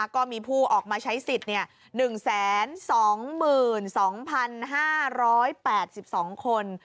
ก็มีผู้ออกมาใช้สิทธิ์๑๒๒๕๘๒คน